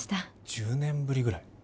１０年ぶりぐらい？